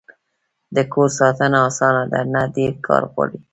د کور ساتنه اسانه ده؟ نه، ډیر کار غواړی